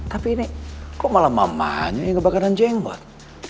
tapi ini kok malah mamanya yang kebakaran jenggot